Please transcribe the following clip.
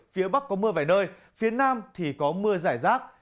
phía bắc có mưa vài nơi phía nam thì có mưa giải rác